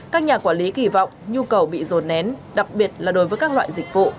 các nhà quản lý kỳ vọng nhu cầu bị rồn nén đặc biệt là đối với các loại dịch vụ